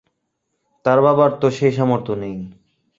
তার বাবার তো সে সামর্থও নেই।